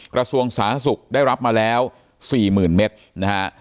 กระทรวงสาธารณสุขได้รับมาแล้ว๔๐๐๐เมตรนะฮะ